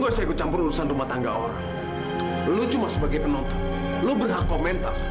sampai jumpa di video selanjutnya